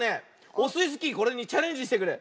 オスイスキーこれにチャレンジしてくれ！